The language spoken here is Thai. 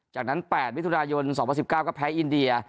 จากนั้น๘มิถุนายน๒๐๑๙ก็แพ้อินเดีย